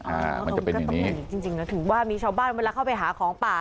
อ่ามันจะเป็นอย่างนี้จริงจริงแล้วถึงว่ามีชาวบ้านเวลาเข้าไปหาของป่า